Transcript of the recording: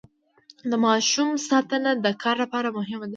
د ماشوم ساتنه د کار لپاره مهمه ده.